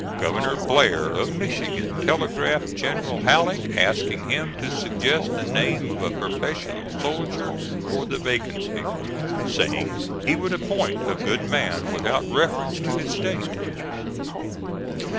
Governor Blair, of Michigan, telegraphed General Halleck asking him to suggest the name of a professional soldier for the vacancy, saying he would appoint a good man without reference to his State.